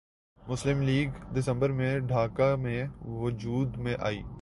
مسلم لیگ دسمبر میں ڈھاکہ میں وجود میں آئی